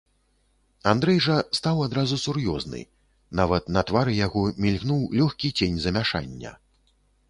Андрэй жа стаў адразу сур'ёзны, нават на твары яго мільгнуў лёгкі цень замяшання.